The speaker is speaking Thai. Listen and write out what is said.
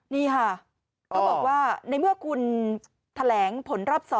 นี่ค่ะเขาบอกว่าในเมื่อคุณแถลงผลรอบ๒